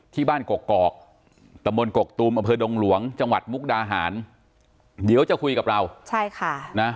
ที่บ้านกกอกตะบนกกตูมอำเภอดงหลวงจังหวัดมุกดาหารเดี๋ยวจะคุยกับเราใช่ค่ะนะ